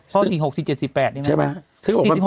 ข้อ๔๖๔๗๔๘ใช่ไหม